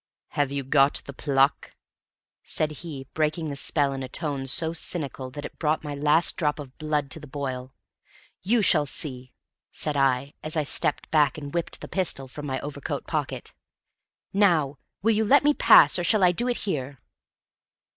"Have you got the pluck?" said he, breaking the spell in a tone so cynical that it brought my last drop of blood to the boil. "You shall see," said I, as I stepped back and whipped the pistol from my overcoat pocket. "Now, will you let me pass or shall I do it here?"